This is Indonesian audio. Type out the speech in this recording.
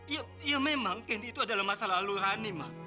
ya memang kendi itu adalah masa lalu rani ma